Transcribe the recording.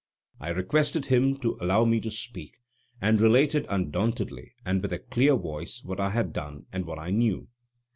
I requested him to allow me to speak, and related undauntedly and with a clear voice what I had done, and what I knew.